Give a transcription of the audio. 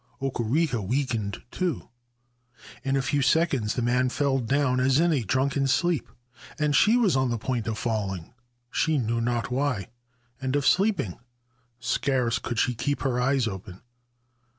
Okureha weakened too. In a few seconds the man fell down as in a drunken sleep, and she was on the point of falling (she knew not why) and of sleeping (scarce could she keep her eyes open).